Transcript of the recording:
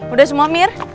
udah semua mir